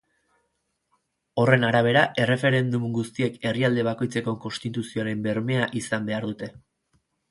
Horren arabera, erreferendum guztiek herrialde bakoitzeko konstituzioaren bermea izan behar dute.